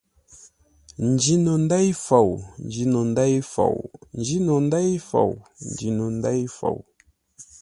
Njî no ndêi fou, n njîno ndêi fou njî no ndêi fou, n njî no ndêi fou.